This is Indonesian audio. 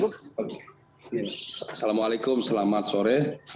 assalamualaikum selamat sore